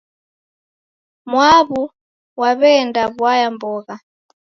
Mwaawu waweenda waya mbogha